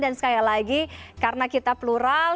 dan sekali lagi karena kita plural